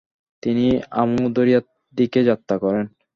তিনি আমু দরিয়ার দিকে যাত্রা করেন।